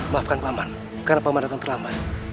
maafkan paman karena paman datang terlambat